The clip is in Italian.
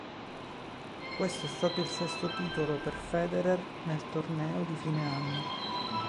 Questo è stato il sesto titolo per Federer nel torneo di fine anno